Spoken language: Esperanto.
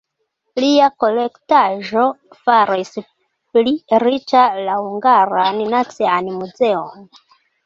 Lia kolektaĵo faris pli riĉa la Hungaran Nacian Muzeon.